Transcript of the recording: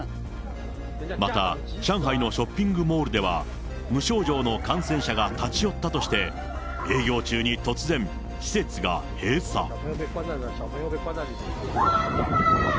また、上海のショッピングモールでは無症状の感染者が立ち寄ったとして、営業中に突然、施設が閉鎖。